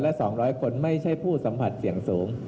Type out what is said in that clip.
และ๒๐๐คนไม่ใช่ผู้สัมผัสเสี่ยงสูง